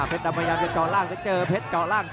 อื้อหือจังหวะขวางแล้วพยายามจะเล่นงานด้วยซอกแต่วงใน